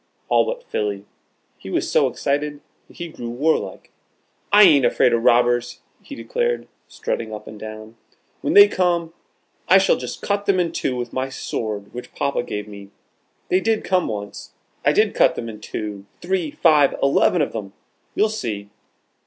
All but Philly. He was so excited, that he grew warlike. "I ain't afraid of robbers," he declared, strutting up and down. "When they come, I shall just cut them in two with my sword which Papa gave me. They did come once. I did cut them in two three, five, eleven of 'em. You'll see!"